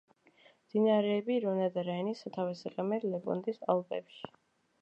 მდინარეები რონა და რაინი სათავეს იღებენ ლეპონტის ალპებში.